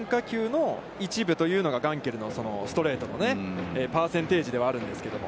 数ある変化球の一部というのがガンケルのストレートのパーセンテージではあるんですけど。